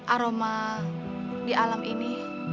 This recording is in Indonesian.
aroma di alam ini